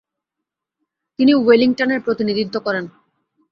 তিনি ওয়েলিংটনের প্রতিনিধিত্ব করেন।